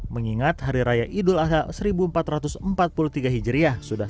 mengingat hari raya idul adha seribu empat ratus empat puluh tiga hijriah